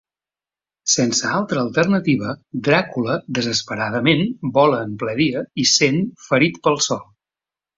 Sense altra alternativa, Dràcula desesperadament vola en ple dia i sent ferit pel sol.